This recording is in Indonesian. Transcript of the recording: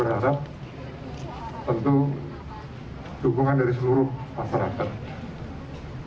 dan kami sangat berharap tentu dukungan dari seluruh masyarakat